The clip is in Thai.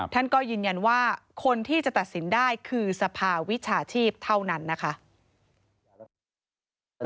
ท่านก็ยืนยันว่าคนที่จะตัดสินได้คือสภาวิชาชีพเท่านั้นนะคะ